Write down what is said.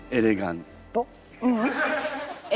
ううん。